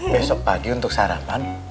besok pagi untuk sarapan